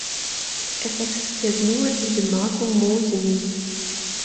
Es existiert nur die Gemarkung Moosinning.